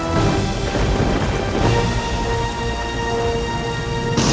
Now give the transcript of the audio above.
ambo telah meninggal